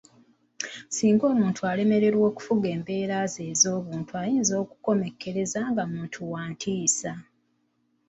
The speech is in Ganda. Singa omuntu alemwa okufuga embeera ze ez'obuntu ayinza okukomekkereza nga muntu wa ntiisa